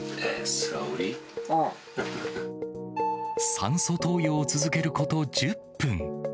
酸素投与を続けること１０分。